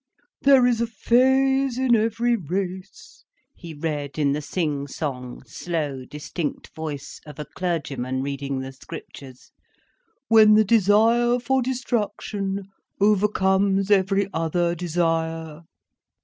'There is a phase in every race—'" he read in the sing song, slow, distinct voice of a clergyman reading the Scriptures, "'When the desire for destruction overcomes every other desire.